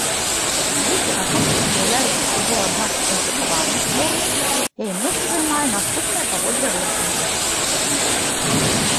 Калі пераможцам з'яўляецца ўжо адна з кваліфікаваных зборных, яе месца займае наступная паводле рэйтынгу.